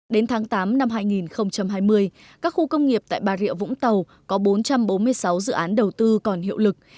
đến tháng tám năm hai nghìn hai mươi các khu công nghiệp tại bà rịa vũng tàu có bốn trăm bốn mươi sáu dự án đầu tư còn hiệu lực